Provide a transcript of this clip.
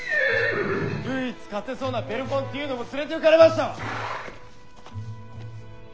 唯一勝てそうなベルフォンティーヌも連れていかれましたわ！